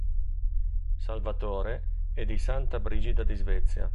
Salvatore e di S. Brigida di Svezia